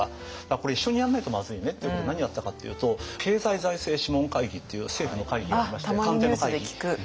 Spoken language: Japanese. これ一緒にやんないとまずいねっていうことで何をやったかというと経済財政諮問会議っていう政府の会議がありまして。